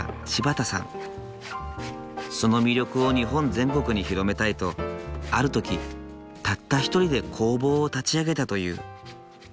その魅力を日本全国に広めたいとある時たった一人で工房を立ち上げたという。